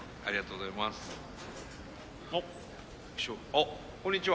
あっこんにちは。